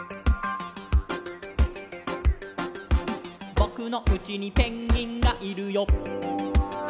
「ぼくのうちにペンギンがいるよ」